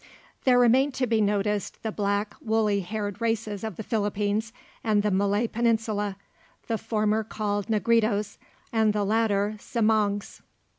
There remain to be noticed the black woolly haired races of the Philippines and the Malay peninsula, the former called "Negritos," and the latter "Semangs."